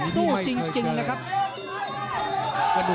สู้จริงนะครับ